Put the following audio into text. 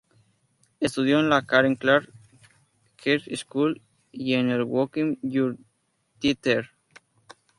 Estudió en la Karen Clarke Theatre School y en el Woking Youth Theatre.